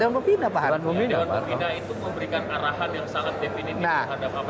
dewan pembina itu memberikan arahan yang sangat definitif terhadap apa yang terjadi